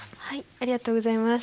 ありがとうございます。